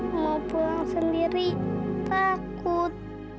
mau pulang sendiri takut